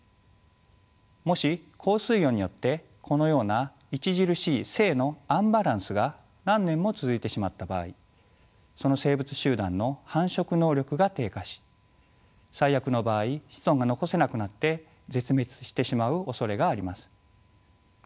もし高水温によってこのような著しい性のアンバランスが何年も続いてしまった場合その生物集団の繁殖能力が低下し最悪の場合子孫が残せなくなって絶滅してしまうおそれがあります。